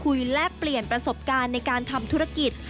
การพูดคุยและเปลี่ยนประสบการณ์ในการทำธุรกิจ